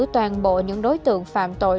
toàn bộ những đối tượng phạm tội